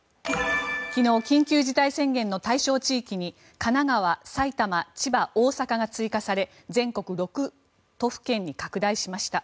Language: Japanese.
昨日、緊急事態宣言の対象地域に神奈川、埼玉、千葉、大阪が追加され全国６都府県に拡大しました。